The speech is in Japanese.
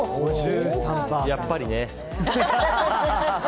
やっぱりね。